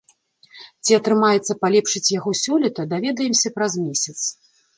Ці атрымаецца палепшыць яго сёлета, даведаемся праз месяц.